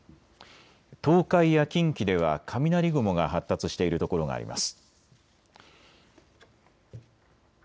東海や近畿では雷雲が発達している所があります。